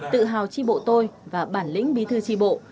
tự hào tri bộ tôi và bản lĩnh bí thư tri bộ